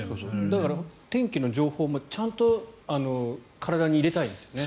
だから、天気の情報もちゃんと体に入れたいですよね。